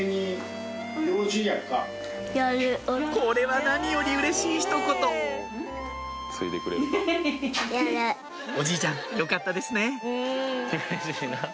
これは何よりうれしいひと言おじいちゃんよかったですね